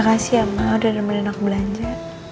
terima kasih ya mama udah nemenin aku belanja